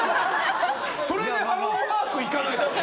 それでハローワーク行かないと。